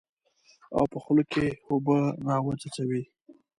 او په خوله کې اوبه راوڅڅوي.